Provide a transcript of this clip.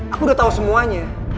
aku udah tahu semuanya